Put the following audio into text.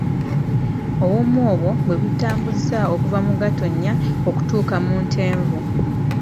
Obumu obwo bwe bututambuzza okuva mu Gatonnya okutuuka mu Ntenvu.